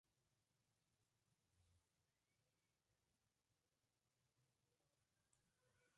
Interpretó a Hannah.